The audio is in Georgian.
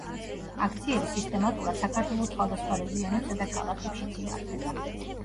აქციები სისტემატურად საქართველოს სხვადასხვა რეგიონებსა და ქალაქებშიც იმართება.